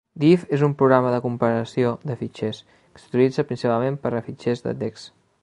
Diff és un programa de comparació de fitxers, que s'utilitza principalment per a fitxers de text.